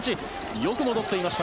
よく戻っていました